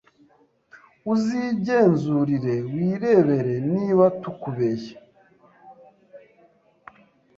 uzigenzurire wirebere niba tukubeshya.